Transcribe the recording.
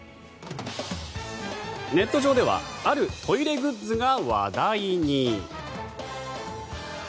ネット上ではあるトイレグッズが話題に。